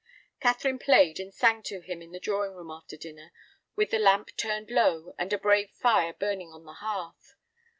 Catherine played and sang to him in the drawing room after dinner, with the lamp turned low and a brave fire burning on the hearth.